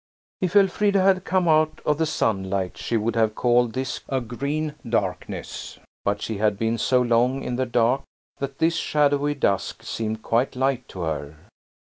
If Elfrida had come out of the sunlight she would have called this a green darkness. But she had been so long in the dark that this shadowy dusk seemed quite light to her.